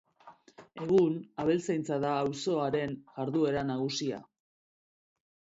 Egun, abeltzaintza da auzoaren jarduera nagusia.